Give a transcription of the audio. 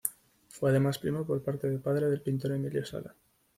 Fue además primo por parte de padre del pintor Emilio Sala.